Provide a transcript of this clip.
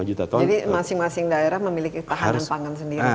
jadi masing masing daerah memiliki tahanan pangan sendiri